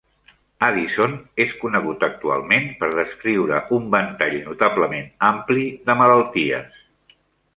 Addison és conegut actualment per descriure un ventall notablement ampli de malalties.